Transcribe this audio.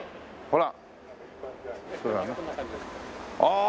ほら。